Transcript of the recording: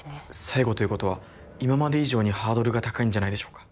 最後ということは今まで以上にハードルが高いんじゃないでしょうか。